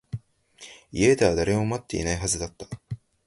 家では誰も待っていないはずだった